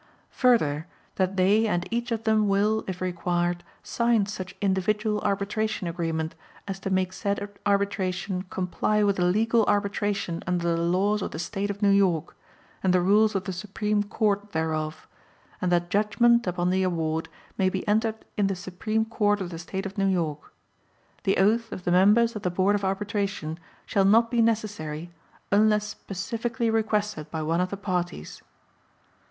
Further, that they and each of them will, if required, sign such individual arbitration agreement as to make said arbitration comply with a legal arbitration under the laws of the State of New York, and the rules of the Supreme Court thereof, and that judgment upon the award may be entered in the Supreme Court of the State of New York. The oath of the members of the Board of Arbitration shall not be necessary unless specifically requested by one of the parties.